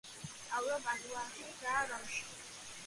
სწავლობდა პადუაში და რომში.